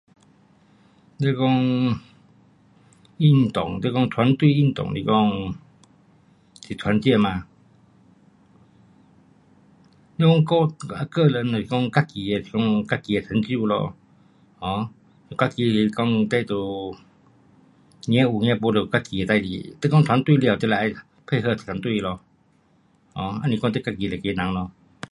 你讲运动，你讲团队运动是讲是团结嘛。运动个人是讲自己的是讲，自己的成就咯，um 自己讲这就扛有扛没都自己的事情。是讲团队，你就要配合团队咯，不是讲你自己一个人咯。